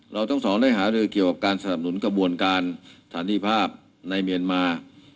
เราทั้งสองได้หารือเกี่ยวกับการสนับสนุนกระบวนการฐานีภาพในเมียนมา